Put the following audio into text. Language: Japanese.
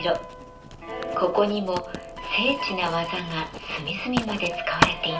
ここにも精緻な技が隅々まで使われています。